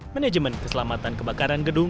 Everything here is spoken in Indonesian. manajemen keselamatan kebakaran gedung